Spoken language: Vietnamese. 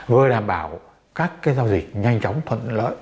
với đảm bảo các giao dịch nhanh chóng thuận lợi